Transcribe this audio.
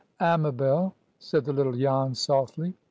"Amabel!" said the little Jan, softly.